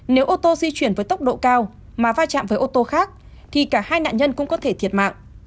nếu ô tô di chuyển với tốc độ cao mà va chạm với ô tô khác thì cả hai nạn nhân cũng có thể thiệt mạng